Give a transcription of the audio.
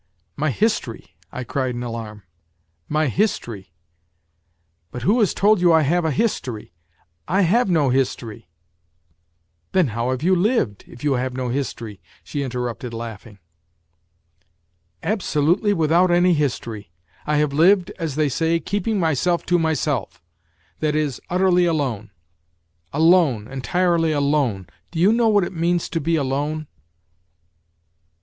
" My history !" I cried in alarm. " My history ! But who has told you I have a history ? I have no history. ..."" Then how have you lived, if you have no history ?" she interrupted, laughing. " Absolutely without any history ! I have lived, as they say, keeping myself to myself, that is, utterly alone alone, entirely alone. Do you know what it means to be alone